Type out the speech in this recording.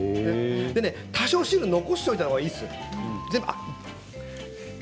多少、汁を残しておいたほうがいいです。